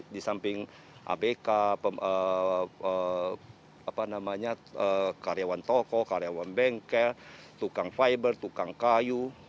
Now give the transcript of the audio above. di samping abk karyawan toko karyawan bengkel tukang fiber tukang kayu